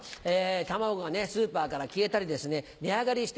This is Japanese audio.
卵がスーパーから消えたりですね値上がりしてる。